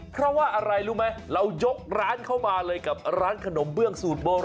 เพราะว่าอะไรรู้ไหมเรายกร้านเข้ามาเลยกับร้านขนมเบื้องสูตรโบราณ